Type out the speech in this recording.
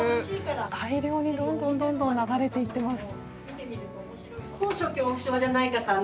大量にどんどん流れていっています。